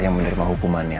yang menerima hukumannya